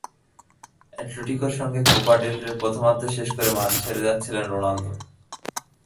অ্যাটলেটিকোর সঙ্গে কোপা ডেল রের প্রথমার্ধ শেষ করে মাঠ ছেড়ে যাচ্ছিলেন রোনালদো।